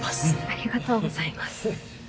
ありがとうございます